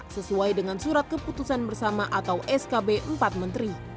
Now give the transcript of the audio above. sesuai dengan surat keputusan bersama atau skb empat menteri